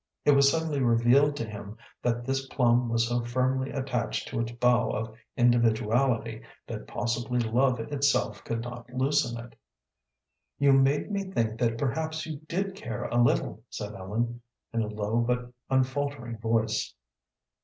It was suddenly revealed to him that this plum was so firmly attached to its bough of individuality that possibly love itself could not loosen it. "You made me think that perhaps you did care a little," said Ellen, in a low but unfaltering voice.